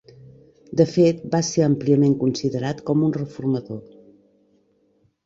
De fet, va ser àmpliament considerat com un reformador.